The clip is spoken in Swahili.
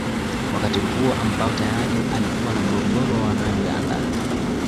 Wakati huo ambao tayari alikuwa na mgogoro na Uganda